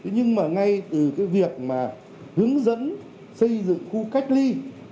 nhưng mà ngay từ cái việc mà hướng dẫn xây dựng khu cách ly